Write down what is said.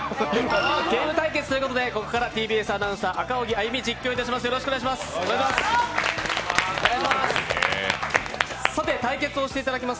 ゲーム対決ということでここからＴＢＳアナウンサー、赤荻歩、実況いたします。